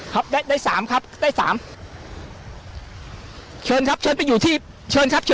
ครับได้ได้สามครับได้สามเชิญครับเชิญไปอยู่ที่เชิญครับเชิญ